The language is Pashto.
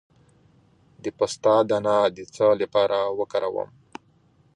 د پسته دانه د څه لپاره وکاروم؟